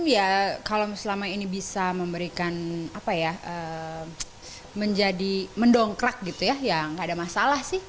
ya kalau selama ini bisa memberikan apa ya menjadi mendongkrak gitu ya ya nggak ada masalah sih